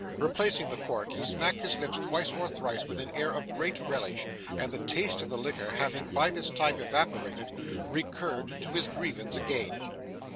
Replacing the cork, he smacked his lips twice or thrice with an air of great relish, and, the taste of the liquor having by this time evaporated, recurred to his grievance again.